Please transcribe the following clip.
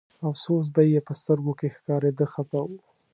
افسوس به یې په سترګو کې ښکارېده خپه و.